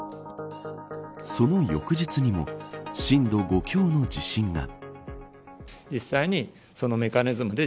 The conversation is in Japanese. その翌日にも震度５強の地震が。